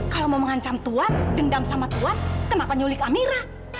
kalau mau mengancam tuhan dendam sama tuan kenapa nyulik amirah